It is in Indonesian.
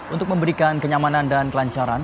untuk memberikan kenyamanan dan kelancaran